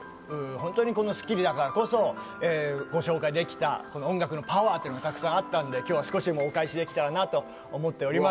本当に『スッキリ』だからこそご紹介できた音楽のパワーがたくさんあったので、今日は少しでも、お返しできたらなと思っております。